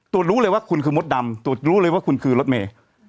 รู้เลยว่าคุณคือมดดำตรวจรู้เลยว่าคุณคือรถเมย์